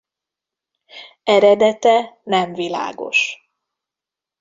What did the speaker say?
Eredete nem világos.